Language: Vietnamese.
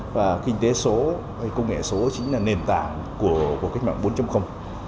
và kinh tế số hay công nghệ số chính là nền tảng của cách mạng bốn